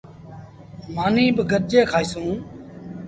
مآݩيٚ با گڏجي کآئيٚسون۔